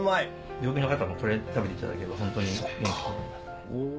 病気の方もこれ食べていただければホントに。